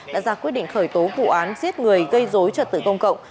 đã ra quyết định khởi tố vụ án giết người gây dối trật tự công cộng